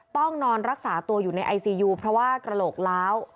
ต้องนอนรักษาตัวอยู่ในไอซียูเพราะว่ากระโหลกล้าว